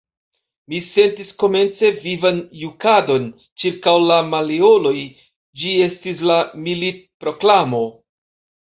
Mi sentis, komence, vivan jukadon ĉirkaŭ la maleoloj: ĝi estis la militproklamo.